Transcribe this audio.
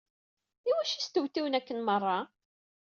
Iwacu stewtiwen akken merra?